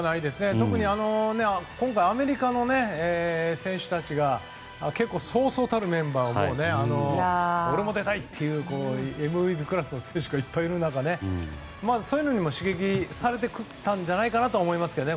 特に、今回アメリカの選手たちが結構、そうそうたるメンバーが俺も出たい！っていうＭＶＰクラスの選手がいっぱいいる中でそういうのにも刺激されていたんじゃないかなと思いますけどね。